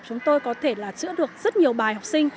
chúng tôi có thể là chữa được rất nhiều bài học sinh